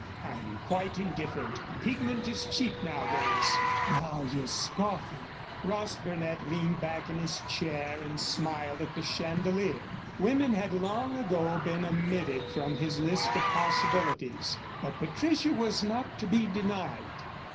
"I'm quite indifferent pigment is cheap nowadays." "Now you're scoffing." Ross Burnett leaned back in his chair and smiled at the chandelier. Women had long ago been omitted from his list of possibilities. But Patricia was not to be denied.